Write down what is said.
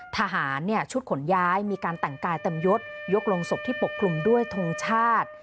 ทหารชุดขนย้ายมีการแต่งกายเต็มยศยกลงศพที่ปกคลุมด้วยทงชาติ